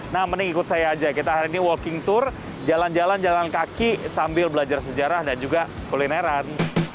nah mending ikut saya aja kita hari ini walking tour jalan jalan jalan kaki sambil belajar sejarah dan juga kulineran